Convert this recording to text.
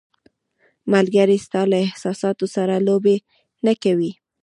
ملګری ستا له احساساتو سره لوبې نه کوي.